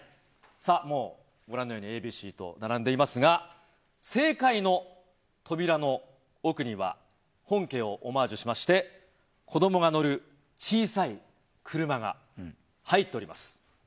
もうご覧のようにＡ、Ｂ、Ｃと並んでいますが正解の扉の奥には本家をオマージュしまして子供が乗る小さい車が入っております。